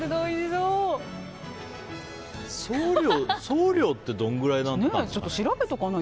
送料ってどのくらいなのかな。